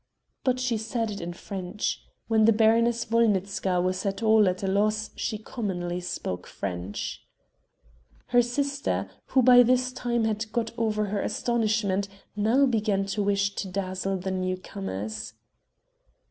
But she said it in French: when the Baroness Wolnitzka was at all at a loss she commonly spoke French. Her sister, who by this time had got over her astonishment, now began to wish to dazzle the new comers.